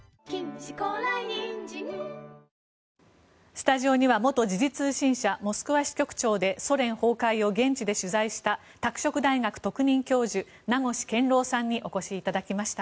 スタジオには元時事通信社モスクワ支局長でソ連崩壊を現地で取材した拓殖大学特任教授名越健郎さんにお越しいただきました。